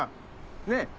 ねえ。